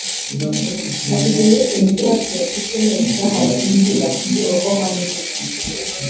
Hashize iminsi mike hasojwe icyumweru cyahariwe kuzigama ‘Global Money Week’’